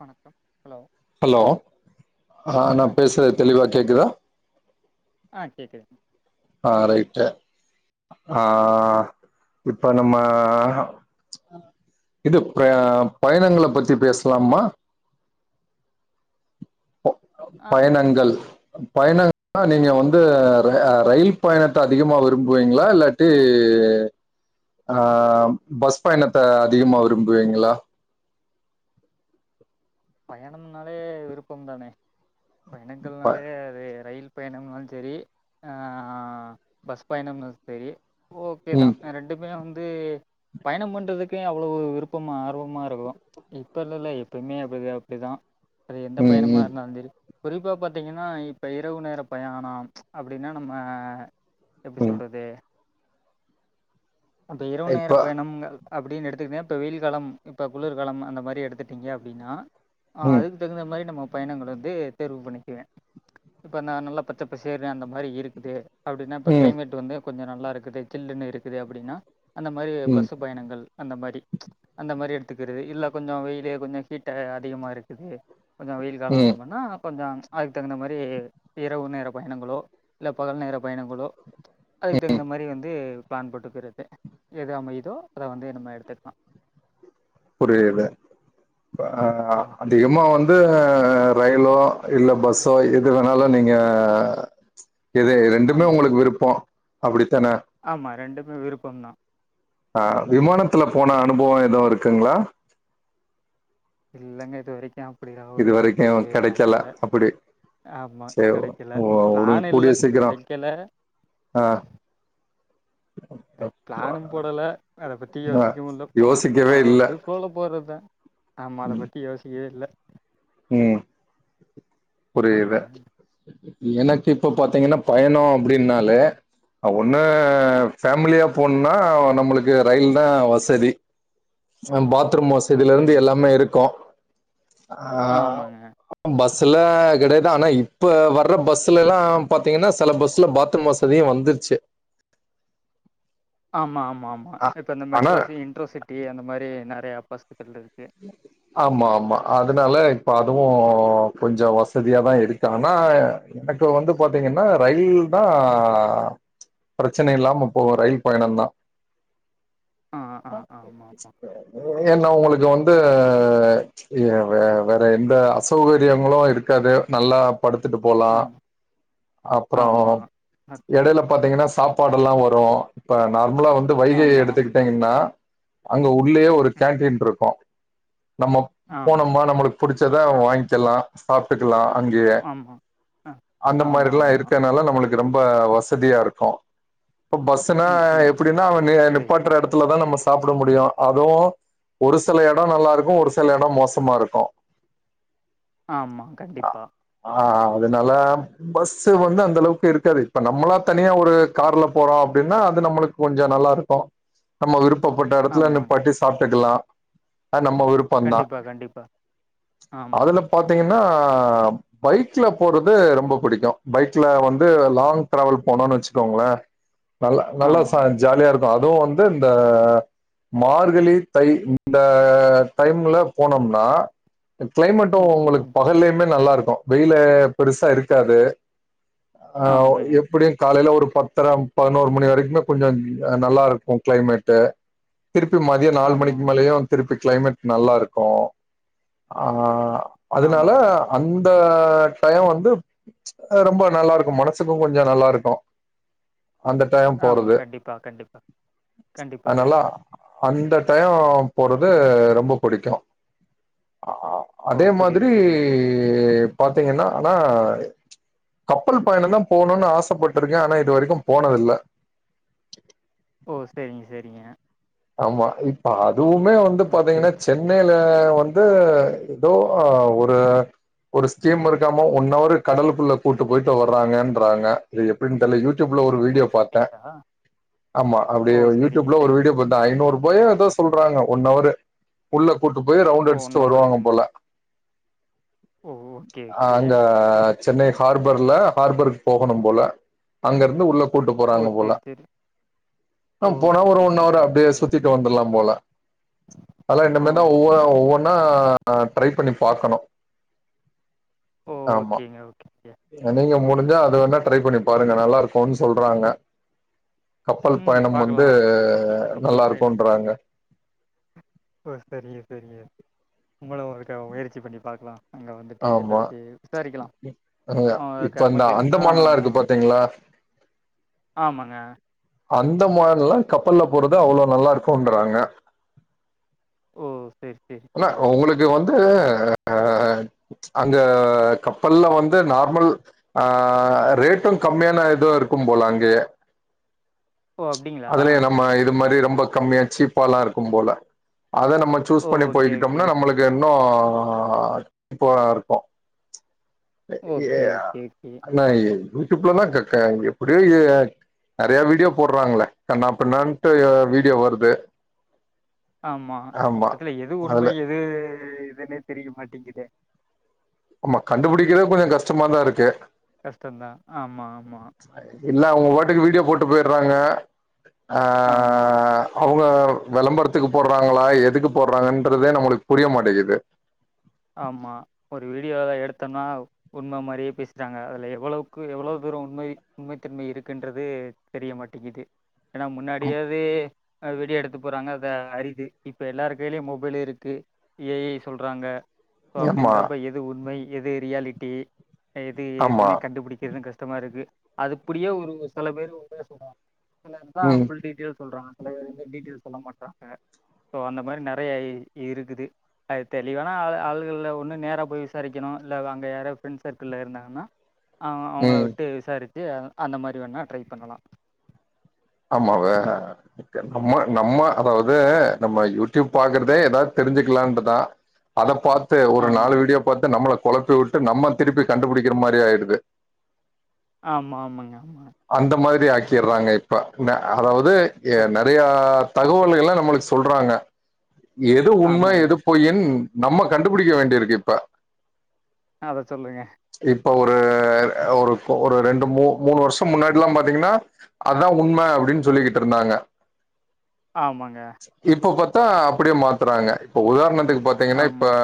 வணக்கம் hello hello ஆ நா பேசுறது தெளிவா கேக்குதா ஆ கேக்குது ஆ ரைட்டு ஆ இப்ப நம்ம இது ப்ரே பயணங்கள பத்தி பேசலாமா போ ஆ பயணங்கள் பயணங்கள்னா நீங்க வந்து ர ரயில் பயணத்தை அதிகமா விரும்புவீங்களா இல்ல டி ஆ பஸ் பயணத்த அதிகமா விரும்புவீங்களா பயணம்னாலே விருப்பம் தானே ப பயணங்கள்னாலே அது ரயில் பயணம்னாலு செரி ஆ பஸ் பயணம்னாலு செரி ஓகே தா ம் ரெண்டுமே வந்து பயணம் பண்றதுக்கே அவ்ளோவு விருப்பமா ஆர்வமா இருக்கு இப்ப இல்லல எப்பமே இப்ப அது அப்டிதா அது எந்த ம் பயணமா ம் இருந்தாலு சேரி குறிப்பா பாத்தீங்கனா இப்போ இரவு நேர பயாணம் அப்டின்னா நம்ம எப்டி ம் சொல்றது அந்த இரவு நேர இப்ப பயணம் அப்டின்னு எடுத்துக்கினா இப்ப வெயில்காலம் இப்ப குளுர்காலம் அந்தமாரி எடுத்துட்டீங்க அப்டின்னா ஆ ம் அதுக்கு தகுந்த மாரி நம்ம பயணங்கள வந்து தேர்வு பண்ணிக்குவே இப்ப நா நல்லா பச்சப்பசேர்னு அந்த மாரி இருக்குது அப்டின்னா இப்போ ம் கிளைமேட் வந்து கொஞ்சோ நல்லா இருக்குது சில்லுன்னு இருக்குது அப்டின்னா அந்த மாரி ம் பஸ்சு பயணங்கள் அந்த மாரி அந்த மாரி எடுத்துக்கிறது இல்ல கொஞ்சோ வெயிலு கொஞசோ ஹீட் அதிகமா இருக்குது கொஞ்சோ வெயில் காலோ அந்த ம் மாரினா கொஞ்சோ அதுக்கு தகுந்த மாரி இரவு நேர பயணங்களோ இல்ல பகல் நேர பயணங்களோ அதுக்கு தகுந்த மாரி வந்து பிளான் போட்டுக்கிறது எத அமையுதோ அத வந்து நம்ம எடுத்துக்கலா புரியல அ ஆ திகமா வந்து ரயிலோ இல்ல பஸ்ஸோ எது வேணாலு நீங்க எது ரெண்டுமே ஆமா உங்களுக்கு விருப்போ அப்டித்தானே ஆமா ரெண்டுமே விருப்பம்தா ஆ விமானத்துல போன அனுபோ எதுவு இருக்குங்ளா இல்லங்க இது வரைக்கு அப்டி இது ஒரு வரைக்கு வாய்ப்பு கெடைக்கல அமையல அப்படி ஆமா சரி கெடைக்கல ஓ பிளான் இல்ல கெடைக்கல அ பிளானும் போடல அத பத்தி ஆ யோசிக்கவு இல்ல போன யோசிக்கவே சும்மா இல்ல அப்டி ப்ளோல போறதா ஆமா அத பத்தி யோசிக்கவே இல்ல ம் புரியல ஆமாங்க. எனக்கு இப்ப பாத்தீங்கன்னா பயனோ அப்டின்னாலே ஒன்னு ஆ ஃபேமிலியா போணுன்னா நம்மளுக்கு ரயில்தா வசதி அம் பாத்ரூம் ஓ! வசதில இருந்து சரிங்க, எல்லாமே சரி. இருக்கு ஆ ஆமாங்க. பஸ்ல கெடையாது ஆனா இப்ப வர்ற பஸ்லலா பாத்தீங்கன்னா சில பஸ்ல பாத்ரூம் வச தியு வந்துருச்சு ஆமா ஆமா ஆமா அ இப்ப இந்த ஆனா மெட்ரோ சி இன்ட்ரோசிட்டி அந்த மாரி நெறைய பசுக்கள்ள இருக்கு [unintelligible] ஆமா ஆமா அதனால இப்ப அதுவு கொஞ்ச வசதியாதா இருக்கு ஆனா எனக்கு வந்து பாத்தீங்கன்னா ரயில் தா பிரச்சனை இல்லாம போக ரயில் பயணந்தா ஆ, ஆ, ஆமாமா. ஏன்னா உங்களுக்கு வந் து ஏ வே வேற எந்த அசௌகரியங்களு இருக்காது நல்லா படுத்துட்டு போலா ஆமா, அப்பறோ ஆமா. அ எடையில பாத்தீங்கன்னா சாப்பாடெல்லா வரு இப்ப நார்மலா வந்து வைகை ஆமா. எடுத்துக்கிட் டிங்கன்னா அங்க உள்ளயே ம். ஒரு கேன்டீன் இருக்கு நம்ம ஆமா, போனமா ஆமா. நம்மளுக்கு புடிச்சதா வாங்க்கலா சாப்ட்டுக்கலா அங்கயே ஆமா. அ. அந்த ஆமா, மாரிலா ஆமா. இருக்கிறனால நம்மளுக்கு ரொம்ப வசதியா இருக்கு இப்ப பஸ்னா ம், ம், ம். எப்படின்னா அவ நி புரியுது. நிப்பாட்ற எடத்துலதா நம்ம சாப்பட முடியு அதுவு ஒரு சில எ ட நல்லாருக்கு ஒரு சில எட மோசமா இருக்கு ஆமா கண்டிப்பா ஆ அதனால பஸ்சு வந்து அந்தளவுக்கு இருக்காது இப்ப நம்மளா தனியா ஒரு கார்ல போறோ அப்படின்னா அது நம்மளுக்கு கொஞ்ஜோ நல்லாருக்கு நம்ம விருப்பப்பட்ட எடத்துல ஆமா. நிப்பாட்டி சாப்ட்டுக்கலா அது நம்ம விருப்பந்தா கண்டிப்பா, கண்டிப்பா. ஆமா, அதுல பாத்தீங்கன்னா பைக்ல போறது ரொம்ப புடிக்கு பைக்ல வந்து லாங் ட்ராவல் போணுனு வச்சுக்கோங்களே நல்லா நல்லா ச ஆமாங்க. ஜாலியா இருக்கு அதுவு வந்து இந்த மார்கழி தை இந்த டைம்ல போனோம்னா க்ளைமேட்டு ம், ம், உங்களுக்கு ம். பகல்லயுமே நல்லாருக்கு வெயிலு பெருசா இருக்காது ஆ ஆமாங்க. எப்படியு காலையில ஒரு பத்தர பதினோரு மணி வரைக்குமே கொஞ்ச நல்லாருக்கு க்ளைமேட்டு திருப்பி மதிய நாலு ஆமா, மணிக்கு ஆமா. மேலயு திருப்பி க்ளைமேட் நல்லாருக்கு ஆ அதனால ஆமாங்க. அந்த டய வந்து ஆ ரொம்ப நல்லாருக்கு மனசுக்கு கொஞ்ச நல்லாருக்கு அந்த டைம் ஆமா. போறது கண்டிப்பா, கண்டிப்பா. கண்டிப்பாக. அனால அந்த டயம் போறது ரொம்ப புடிக்கு ஆ ஓ! அதே புரியுது, மாதிரி புரியுது. பாத்தீங்கன்னா ஆனா கப்பல் பயணந்தா போணும்னு ஆசைப்பட்டுருக்கே ஆனா இது வரைக்கு போனதில்ல ஓ சரிங்க சரிங்க ஆமா இப்ப அதுவுமே வந்து ஓகே, பாத்தீங்கன்னா ஓகே. சென்னைல வந்து ஏதோ ஒரு ஒரு ஸ்கீம் இருக்காம ஒன் அவரு கடலக்குள்ள கூட்டு போயிட்டு வர்றாங்கன்றாங்க அதே எப்படினு தெர்ல யூட் டியூப்ல ஒரு ஓ! வீடியோ பாரத்தே அப்படிங்களா? ஆமா ஓ! அப்டியே சரிங்க, யூடியூப்ல ஒரு சரிங்க. வீடியோ பாத் ஐநூரூபாயோ ஏதோ சொல்றாங்க ஒன் அவரு உள்ள கூட்டு போய் ரவுண்ட் ஓ! அடிச்சுட்டு ஹவர் வருவாங்க போல இருக்குங்களா? ஓ! Okay, okay. அங்க சென்னை ஹார்பர்ல ஹார்பருக்கு போகணும் போல அங்கருந்து உள்ள கூட்டு ஓ! போறாங்க போல சரி, சரி. அ ஓ! போனே ஒரு சூப்பர், ஒன்ன அவரு சூப்பர், து சூப்பர். சுத்திட்டு வந்தர்லா போல தல ஆ, இன்னுமே தா ஓ. ஒவ்வ ஒவ்வ நா ட்ரை பண்ணி பாக்கணு ஓ! ஆமா ஓகேங்க, ஓகேங்க. நீங்க முடிஞ்சா அது வோனா ட்ரை ஓகே. பண்ணி பாருங்க நல்லா இருக்குன் சொல்றாங்க கப்பல் ம், பயணம் வந்து பார்க்கலாம். நல்லா கப்பல் பயணம். இருக்குன்றாங்க ஓ சரிங்க சரிங்க உங்கள ஒருக்க முயற்சி பண்ணி பாக்லா அங்க வந்துட்டு ஆமா ஏதாச்சி விசாரிக்கலா அவக்கு அமஞ்சிருச்சின்னா ஆ திங்ளா ஆமாங்க அந்தமான்ல கப்பல்ல போறது அவ்ளோ நல்லா இருக்குன்றாங்க ஓ சேர் ஆனா உங்களுக்கு வந்து அங்க கப்பல்ல வந்து நார்மல் ஆ ரேட்டும் கம்மியான ஏதோ இருக்கும் போல அங்கே ஓ அப்படிங்களா அதுலே நம்ம இது மாரி ரொம்ப கம்மியா சீப்பாலா இருக்கும் போல அத நம்ம சூஸ் ஓ பண்ணி ஓகே ஓகே போய்கிட்டோம்னா நம்மளுக் இன்னு அ ப்பர இருக்கு ஏ ஓகே அ ஓகே ஓகே என்னா ஏய் யூடியூப்லனா க க எப்டியோ எ நறைய வீடியோ போர்றாங்ள கண்ணா பின்னான்ட்டு வீடியோ வருது ஆமா ஆமா அதுல எது அதுல உண்மை எது இதுன்னே தெரிய மாட்டிங்குது ஆமா கண்டுபிடிக்கதே கொஞ்ச கஷ்டமாதா இருக்கு கஷ்டந்தா ஆமா ஆமா இல்ல அவுங்க பாட்டுக்கு வீடியோ போட்டு போய்றாங்க ஆ ஆமாம் ஆ அவுங்க வெளம்பரத்துக்கு போர்றாங்ளா எதுக்கு போர்றாங்கன்றதே நம்மளுக்க புரிய மாட்டடிகிகுது ஆமா ஒரு வீடியோவ எடுத்தன்னா உண்ம மாரியே பேசுறாங்க அதுல எவளோக்கு எவ்ளோ பேரு உண்மை உண்மைத்தன்மை இருக்குன்றது தெரிய மாட்டிகிது ஏன்னா முன்னாடியாது விடியோ எடுத்து போறாங்க அத அரிது இப்போ எல்லாரு கைலியு மொபைல இருக்கு ஏஐ சொல்றாங்க இப்ப ஆமா அப்டின்றப்ப எது உண்மை எது ரியாலிட்டி எது ஆமா எதுனே கண்டுபுடிக்கிறது கஷ்டமா இருக்கு அது அப்டியே ஒரு சில பேரு உதாசின சிலர் தா ம் ஃபுல் டீட்டெயல்ஸ் சொல்றாங்க சில பேர் இருந்து டீட்டெயஸ் சொல்ல மாட்டாங்க சோ அந்த மாரி நறைய இ இருக்குது அது தெளிவானா ஆள் இதுல ஒன்னு நேர போய் விசாரிக்கணு இல்ல அங்க யாரா ஃப்ரெண்ட் சர்க்கிள்ள இருந்தாங்கன்னா அவ அவங்கள ம் விட்டு விசாரிச்சு அந்த மாரி வேணா ட்ரை பண்ணலா ஆமாவே நம்ம நம்ம அதாவது நம்ம யூடியூப் பாக்குறதே ஏதாவது தெரிஞ்சுக்கலான்ட்டுதா அத பாத்து ஒரு நாலு ஆமாங்க வீடியோ பாத்து நம்மள கொழப்பி விட்டு நம்ம திருப்பி கண்டுபிடிக்கிற மாரி ஆயிடுது ஆமா ஆமாங்க அந்த மாரி ஆக்கிறாங்க இப்ப அதாவது கண்டி நறைய தகவல் எல்லா நம்மளுக்கு சொல்றாங்க எது உண்ம ஆமாங்க எது பொய்யின் நம்ம கண்டுபிடிக்க வேண்டியிருக்கு இப்ப அத சொல்லுங்க இப்ப ஒரு ஒரு ஒரு ரெண்டு மூ மூணு வருஷ முன்னாடில்லா பாத்தீங்கன்னா அதா உண்ம அப்டின்னு சொல்லிகிட்டு இருந்தாங்க ஆமாங்க இப்ப பத்தா அப்டியே மாத்துறாங்க இப்ப உதாரணத்துக்கு பாத்தீங்கன்னா இப்ப ஆமாம்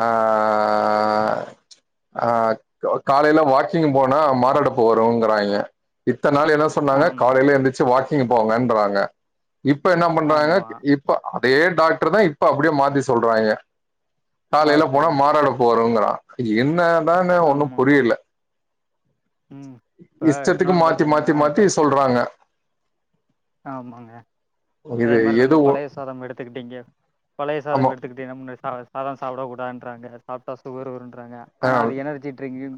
ஆ ஆ ஆ ஆ காலையில வாக்கிங் போனா மார் அடப்பு வந் துருங்கறாங்க இத்த நாள் என்ன சொன்னாங்க ஆமாம் காலையில எந்துருச்சு வாக்கிங் போங்கன்றாங்க இப்ப என்ன பண்றாங்க ஆமாம் இப்ப அதே டாக்டர் தா இப்ப அப்டியே மாத்தி சொல்றாங்க காலையில போனா ஆமாங்க மாறாடப்பு வருங்கறா என்னதானு ஒன்னும் ஆமாம் புரியல ம் இப்போ இஷ்டத்துக்கு இன்னொன்று மாத்தி பார்த்தீங்கன்னா மாத்தி மாத்தி இப்போ சொல்றாங்க ஆமாங்க அதே இது எது மாரின்ந்த ஒ பலய சாதம் எடுத்துக்கிட்டீங்க பலய ஆமா சாதம் எடுத்துக் தெனமு இந்த சா சாதம் சாப்ட கூடான்றாங்க சாப்டா சுகர் வருன்றாங்க ஆ ஆனா அது எனர்ஜி ட்ரிங்க்னு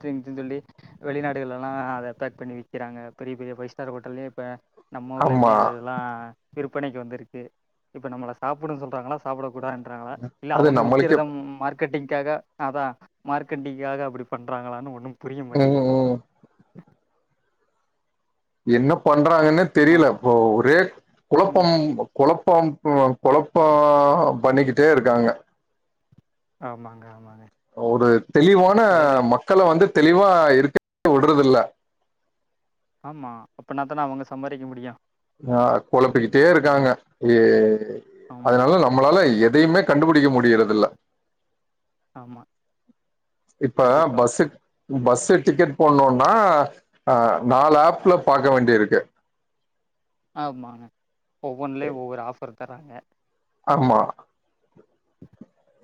ட்ரிங்ஸ்ஸுனு சொல்லி வெளிநாடுகள்ல்லா அத பேக் பண்ணி விக்கிறாங்க பெரிய பெரிய ஃபைவ் ஸ்டார் ஹோட்டல்லயு இப்ப நம்ம ஊர்லையுமே ஆமா அதெல்லா விற்பனைக்கு வந்திருக்கு இப்போ நம்மள சாப்டுனு சொல்றாங்களா சாப்படக்கூடாது றாங்களா இல்ல அது அவுங்க நம்மளுக்கே விக்கிறதம் மார்க் மார்கெட்டிங்காக அதா மார்க்கெட்டிங்க்காக அப்டி பண்றாங்களானு ஒண்ணு புரிய ம் மாட்டேங்கிது ம் என்ன பண்றாங்கன்னு தெரில ஆமாம் இப்ப ஒரே ம் குழப்பம் கொழப்பம் போ கொழப்போம் பண்ணிக்கிட்டே இருக்காங்க ஆமாங்க ஆமாங்க ஒரு தெளிவான அதாவது மக்கள வந்து தெளிவா இருக்க விடுறதில்ல ஆமா அப்னாத்தானா அவுங்க சம்பாரிக்க முடியு ஆ கொலப்பிக்கிட்டே இருக்காங்க ஏ ஆமாம் அதனால நம்பளால எதயுமே கண்டுபுடிக்க முடியறது இல்ல ஆமா இப்ப பஸ்ஸுக் பஸ்ல டிக்கெட் போடுணோன்னா ஆ நாலு ஆப்ல பாக்க வேண்டியிருக்கு ஆமாங்க ஒவ்வொன்லே ஒவ்வொரு ஆஃபர் தர்ராங்க ஆமா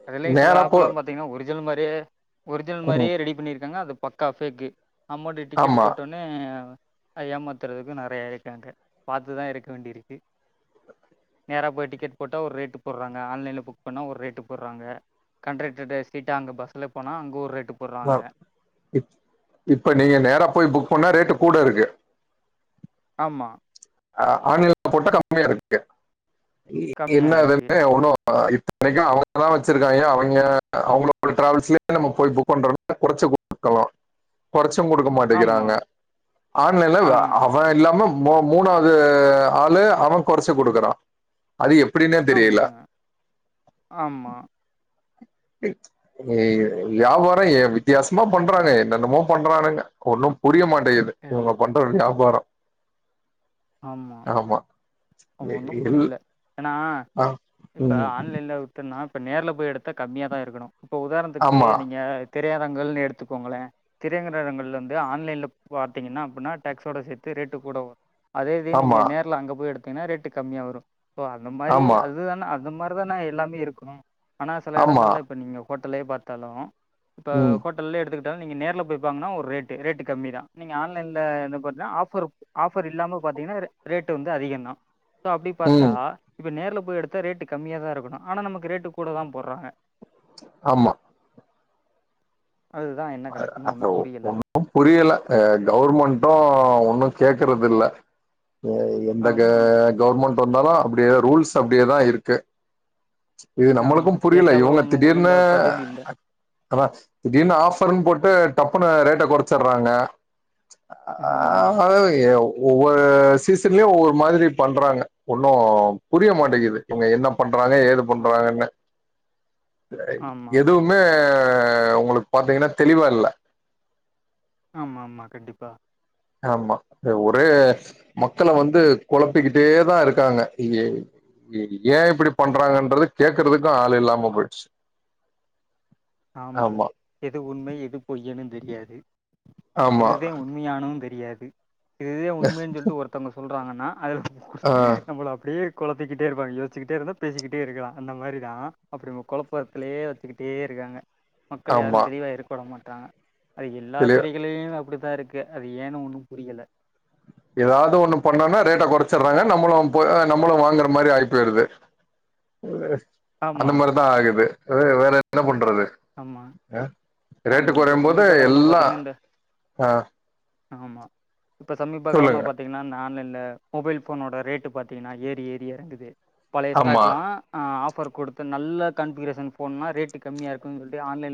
அதுலயே செல நேரா போ ஆப்லா பாத்தீங்கனா ஒரிஜினல் மாரியே ஒரிஜினல் ம் மாரியே ரெடி பண்ணிருக்காங்க அது பக்கா ஃபேக்கு நம்பாட்டு டிக்கெட்டு ஆமா போடோன் னே அ ஏமாத்துறதுக்கு நறைய இருக்காங்க பாத்துதா இருக்க வேண்டி இருக்கு நேரா போய் டிக்கெட் போட்ட ஒரு ரேட்டு போட்றாங்க ஆன்லைன்ல புக் பண்ண ஒரு ரேட்டு போட்றாங்க கண்ட்ரெக்ட சீட்டா அங்க பஸ்ல போனா அங்க ஒரு ரேட்டு போடுறாங்க. அ இப் இப்ப நீங்க நேரா போய் புக் பண்ணா ரேட்டு கூட இருக்கு ஆமா அ ஆன்லைன்ல போட்டா கம்மியா இருக்கு கம்மியா என்ன இருக்கு. எதுமே ஒணோ அ இத்தனைக்கோ அவுங்கதா வச்சிருக்காய்ங்க அவைங்க அவுங்களோட டிராவல்ஸ்லயே நம்ம போய் புக் பண்றோம்ன கொறச்சு குடுக்கலா கொறச்சு குடுக் க ஆமா, மாட்டிக்கிறாங்க ஆன்லைன்ல ஆமா, அவன் இல்லாம மோ மூணாவது ஆளு அவ கொறச்சி குடுக்குறா அது எப்டினே தெரியல ஆமாங்க, ஆமா த் ஏ வியாபாரோ ஏ வித்தியாசமா பண்றாங்க என்னென்னமோ பண்றானுங்க ஒன்னு புரிய மாட்டேகுது எல் இவுங்க பண்ற வியாபாரோ ஆமா ஒன்னு எல் புரியல ஏனா ஆ இப்போ ம் ஆன்லைன்ல எத்தனா இப்ப நேர்ல போய் எடுத்தா கம்மியா தா இருக்கணு இப்போ உதாரணத்துக்கு ஆமா நீங்க திரையரங்கள்னு எடுத்துக்கோங்களே திரையங்கரங்கள்ள வந்து ஆன்லைன்ல பாத்தீங்கன்னா அப்டினா டேக்ஸ்சோட சேத்து ரேட்டு கூட வரு அதே இதே நீங்க ஆமா நேர்ல அங்க போய் எடுத்தீங்கனா ரேட்டு கம்மியா வரு இப்போ அந்த மாரி ஆமா அதுதானே அந்த மா தான எல்லாமே இருக்கு ஆனா சில ஆமா எடங்கள்ல இப்ப நீங்க ஹோட்டலே பாத்தாலு இப்ப ம் ஹோட் டலே எடுத்துக்கிட்டாலு நீங்க நேர்ல போய் பாங்கனா ஒரு ரேட்டு ரேட்டு கம்மி தா நீங்க ஆன்லைன்ல இது பண்ணா ஆஃபர் போ ஆஃபர் இல்லாம பா்த்தீங்கனா ரே ரேட்டு வந்து அதிகோ தா சோ அப்டி பாத்தா ம் இப்போ நேர் ல போய் எடுத்தா ரேட்டு கம்மியா தா இருகணு ஆனா நமக்கு ரேட்டு கூட தா போற்றாங்க ஆமா அதுதா என்ன கணக்குன்னு அது ஒண்ணும் புரியல புரியல அ கவுர்மெண்டு ஆ. ஒன்னு கேக்குறது இல்ல [unintelligible] எந்த ஆமாங்க கவுர்மெண்டு வந்தாலு அப்டியே ரூல்ஸ் அப்டியேதா இருக்கு இது ஆமா நம்மளுக்கும் புரியல கேட்டாலும் இவுங்க ஒன்றும் திடீர்னு ஒழுங்கா பதில் இல்லை அ அத திடீர்னு ஆஃபர்னு போட்டு டப்புன்னு ரேட்ட கொறச்சுட்றாங்க ஆ ஆமாங்க க எ உ ஒவ்வொரு சீசன்லையு ஒவ்வொரு மாதிரி பண்றாங்க ஒன்னு புரிய மாட்டிங்குது ஆமா இவுங்க என்ன பண்றாங்க ஏது ஆமா பண்றாங்கன்னு ஆமா எதுவுமே உங்களுக்கு பாத்தீங்கனா தெளிவா இல்ல ஆமா ஆமா கண்டிப்பாக ஆமா ஒரே மக்கள வந்து கொலப்பிக்கிட்டே தா இருக்காங்க இங்கே ஏ இப்டி பண்றாங்கன்றது கேக்குறதுக்கு ஆள் இல்லாம போயிடுச்சு ஆமா எது உண்மை எது பொய்யுனு தெரியாது ஆமா இதுதே உண் மியானு தெரியாது இதுதே உண்ம சொல்டு ஒருத்தவங்க சொல்றாங்கனா அது ஆ நம்மல அப்டியே கொழுத்திக்கிட்டே இருப்பாங்க யோசிச்சுகிட்டே இருந்தா பேசிக்கிட்டே இருக்கா அந்த மாரி தா அப்டி கொழப்பத்லேயே வச்சுக்கிட்டே இருக்காங்க மக்கள் யாரு ஆமா தெளிவா இருக்க விட மாட்றாங்க அது எல்லா தெளி துறைகளிளு அப்டிதா இருக்கு அது ஏன்னு ஒன்னும் புரியல ஏதாவது ஒண்ணு பண்ணோனா ரேட்ட கொறச்சிடுறாங்க நம்மளு போ நம்மளு வாங்குற மாரி ஆயி போயிருது அந்த ஆமா மாரிதா ஆகுது வே வேற என்ன பண்றது ஆமா ரேட்டு ஆமா இப்ப குறையும் போது சமீப காலமா எல்லா பாத்தீங்கன்னா இந்த ஆ ஆமா இப்ப சமீப காலம சொல்லுங்க பாத்தீங் கனா ஆன்லைன்ல மொபைல் போனோட ரேட்டு பாத்தீங்கனா ஏறி ஏறி இறங்குது பழைய ஆமா ஸ்டாக்லா ஆ ஆஃபர் கொடுத்த நல்ல கன்பிகரேஷன் போன்ன ரேட் கம்மியா இருக்கும் சொல்டு ஆன்லைன்